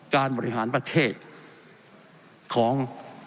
บริหารประเทศของ